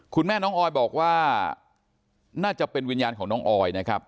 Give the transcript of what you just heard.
คุณแม่น้องออยบอกว่าน่าจะเป็นวิญญาณของน้องออยนะครับ